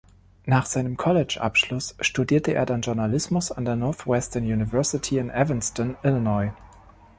Nach seinem Collegeabschluss studierte er dann Journalismus an der Northwestern University in Evanston, Illinois.